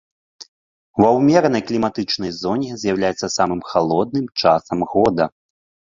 Ва ўмеранай кліматычнай зоне з'яўляецца самым халодным часам года.